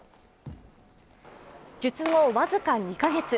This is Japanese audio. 術後、僅か２カ月。